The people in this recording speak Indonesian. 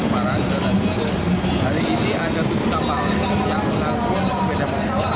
kementerian perhubungan melalui jalur laut